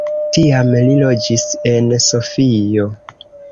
Tiam li loĝis en Sofio.